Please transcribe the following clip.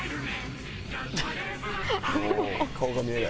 おお顔が見えない。